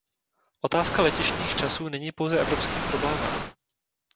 Otázka letištních časů není pouze evropským problémem.